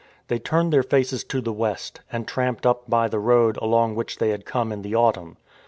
They turned their faces to the west, and tramped up by the road along which they had come in the autumn.